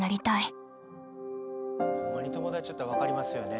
ホンマに友達やったら分かりますよね。